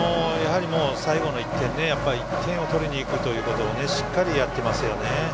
最後の１点１点を取りにいくということをしっかりやってますよね。